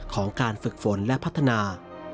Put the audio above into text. ของการฝึกฝนและพัฒนา